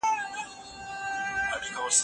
ایا ستا مقاله د ډاکټر صاحب لخوا وکتل شوه؟